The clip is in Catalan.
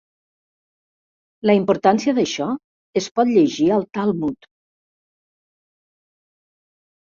La importància d'això es pot llegir al Talmud.